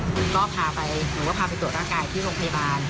หนูก็พาไปหนูก็พาไปตรวจร่างกายที่โรงพยาบาล